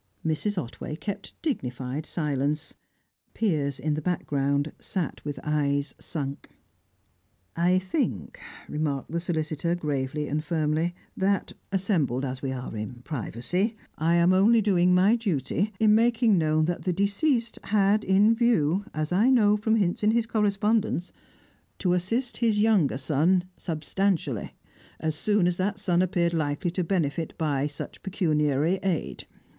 Mrs. Otway kept dignified silence; Piers, in the background, sat with eyes sunk. "I think," remarked the solicitor gravely and firmly, "that, assembled as we are in privacy, I am only doing my duty in making known that the deceased had in view (as I know from hints in his correspondence) to assist his youngest son substantially, as soon as that son appeared likely to benefit by such pecuniary aid.